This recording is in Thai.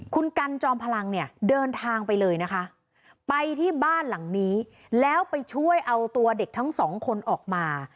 คุณกันจอมพลังเนี่ยเดินทางไปเลยนะคะไปที่บ้านหลังนี้แล้วไปช่วยเอาตัวเด็กทั้งสองคนออกมา